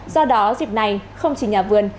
do đó dịp này không chỉ nhà vườn